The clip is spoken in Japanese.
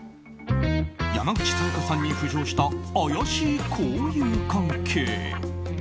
山口紗弥加さんに浮上した怪しい交友関係。